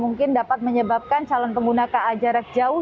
mungkin dapat menyebabkan calon pengguna ka jarak jauh